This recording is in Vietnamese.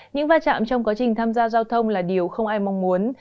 những va chạm trong quá trình tham gia giao thông là điều không ai mong muốn